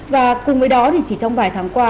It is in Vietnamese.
và cùng với đó thì chỉ trong vài tháng qua